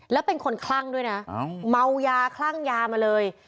แล้วเป็นคนคลั่งด้วยนะเมายาคลั่งยามาเลย